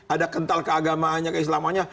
ada kental keagamanya keislamanya